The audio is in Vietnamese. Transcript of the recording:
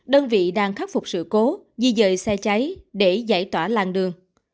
đơn vị đang khắc phục sự cố di dời xe cháy để giải tỏa làng đường